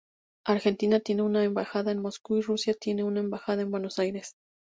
Argentina tiene una embajada en Moscú y Rusia tiene una embajada en Buenos Aires.